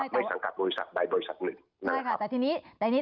ไม่สังกัดบริษัทใดบริษัทหนึ่งใช่ค่ะแต่ทีนี้